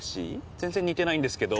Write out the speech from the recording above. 全然似てないんですけど？